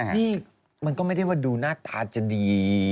นี่มันก็ไม่ได้ว่าดูหน้าตาจะดี